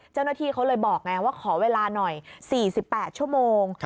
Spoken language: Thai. เจ้าหน้าที่เขาเลยบอกไงว่าขอเวลาหน่อย๔๘ชั่วโมง